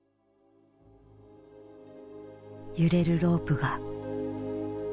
揺れるロープが。